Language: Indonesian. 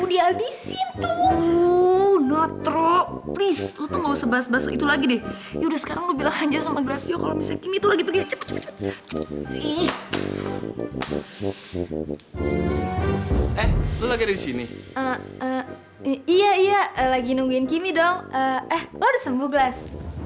iya iya lagi nungguin kimi dong eh lo udah sembuh glass